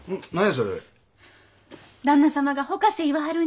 旦那様が「ほかせ」言わはるんじゃ。